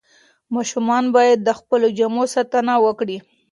ماشومان باید د خپلو جامو ساتنه وکړي.